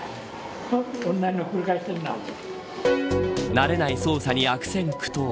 慣れない操作に悪戦苦闘。